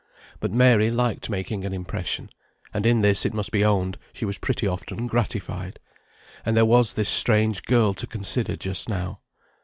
But Mary liked making an impression, and in this it must be owned she was pretty often gratified and there was this strange girl to consider just now.